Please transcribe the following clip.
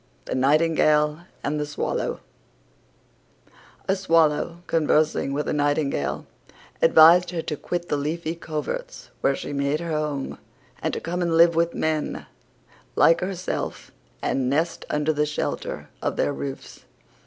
THE NIGHTINGALE AND THE SWALLOW A Swallow, conversing with a Nightingale, advised her to quit the leafy coverts where she made her home, and to come and live with men, like herself, and nest under the shelter of their roofs.